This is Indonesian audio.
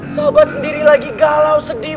sobat sendiri lagi galau sedih